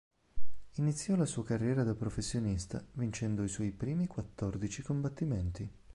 Iniziò la sua carriera da professionista vincendo i suoi primi quattordici combattimenti.